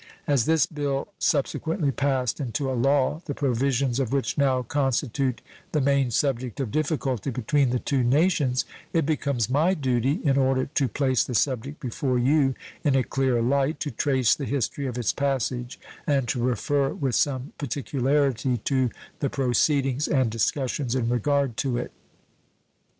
As this bill subsequently passed into a law, the provisions of which now constitute the main subject of difficulty between the two nations, it becomes my duty, in order to place the subject before you in a clear light, to trace the history of its passage and to refer with some particularity to the proceedings and discussions in regard to it.